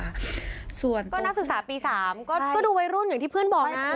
ส่วนก็นักศึกษาปี๓ก็ดูวัยรุ่นอย่างที่เพื่อนบอกนะ